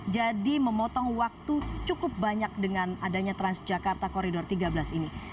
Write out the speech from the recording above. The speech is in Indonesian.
jadi memotong waktu cukup banyak dengan adanya transjakarta koridor tiga belas ini